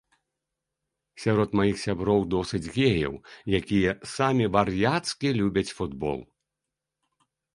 Сярод маіх сяброў досыць геяў, якія самі вар'яцкі любяць футбол.